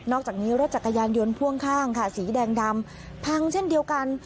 อกจากนี้รถจักรยานยนต์พ่วงข้างค่ะสีแดงดำพังเช่นเดียวกัน